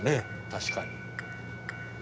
確かに。